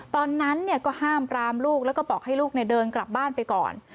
ตอนนั้นก็ห้ามปรามลูกแล้วก็บอกให้ลูกเดินกลับบ้านไปก่อน